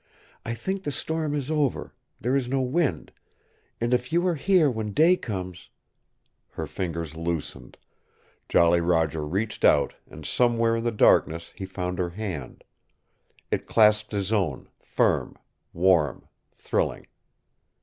I think the storm is over there is no wind and if you are here when day comes " Her fingers loosened. Jolly Roger reached out and somewhere in the darkness he found her hand. It clasped his own firm, warm, thrilling.